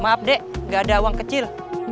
maaf dek gak ada uang kecil